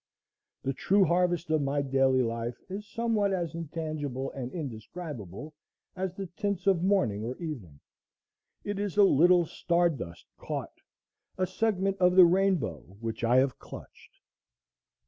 The true harvest of my daily life is somewhat as intangible and indescribable as the tints of morning or evening. It is a little star dust caught, a segment of the rainbow which I have clutched.